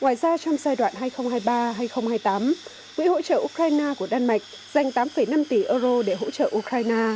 ngoài ra trong giai đoạn hai nghìn hai mươi ba hai nghìn hai mươi tám quỹ hỗ trợ ukraine của đan mạch dành tám năm tỷ euro để hỗ trợ ukraine